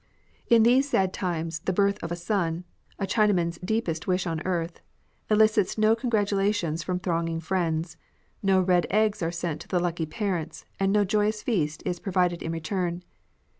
In these sad times the birth of a son — a THE DEATH OF AN EMPEROR. Chinaman's dearest wish on earth — elicits no con gratulations from thronging friends ; no red eggs are sent to the lucky parents, and no joyous feast is pro vided in return.